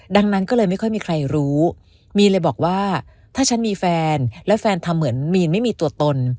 ดังนั้นก็เลยไม่ค่อยมีใครรู้มีเลยบอกว่าถ้าฉันมีแฟนแล้วแฟนทำเหมือนมีนไม่มีตัวตน